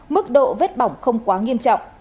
mức độ vết bỏng không quá nghiêm trọng